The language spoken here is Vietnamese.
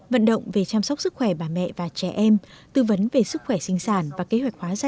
vận động về chăm sóc sức khỏe bà mẹ và trẻ em tư vấn về sức khỏe sinh sản và kế hoạch hóa gia